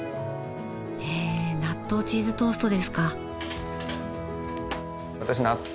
へえ納豆チーズトーストですか。